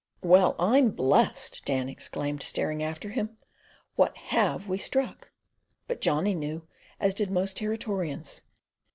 "Well, I'm blest!" Dan exclaimed, staring after him. "What HAVE we struck?" But Johnny knew, as did most Territorians.